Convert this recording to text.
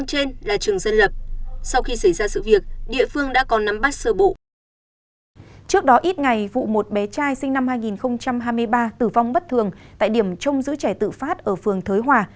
trước đó ít ngày vụ một bé trai sinh năm hai nghìn hai mươi ba tử vong bất thường tại điểm trông giữ trẻ tự phát ở phường thới hòa